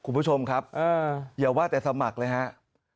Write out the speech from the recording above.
คุณผู้ชมครับอย่าว่าแต่สมัครเลยครับ